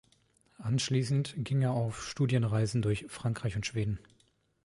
Anschließend ging er auf Studienreisen durch Frankreich und Schweden.